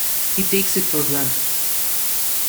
He takes it for granted.